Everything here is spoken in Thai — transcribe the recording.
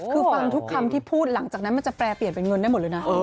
คือฟังทุกคำที่พูดหลังจากนั้นมันจะแปรเปลี่ยนเป็นเงินได้หมดเลยนะ